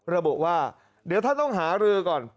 ระบุว่าเดี๋ยวท่านต้องหารือก่อน